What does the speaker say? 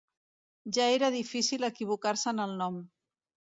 Ja era difícil equivocar-se en el nom.